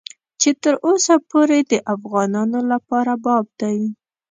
چې تر اوسه پورې د افغانانو لپاره باب دی.